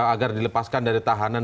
agar dilepaskan dari tahanan